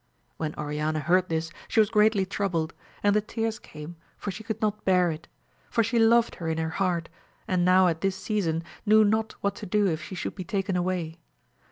"When Oriana heard this she was greatly troubled, and the tears came, for she could not bear it ; for she loved her in her heart, and now at this season knew not what to do if she should be taken away.